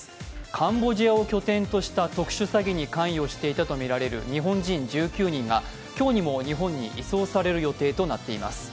カンボジアを拠点とした特殊詐欺に関与していたとみられる日本人１９人が今日にも日本に移送される予定となっています。